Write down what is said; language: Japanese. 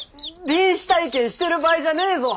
臨死体験してる場合じゃねえぞ。